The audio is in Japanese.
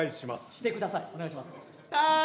してくださいお願いします。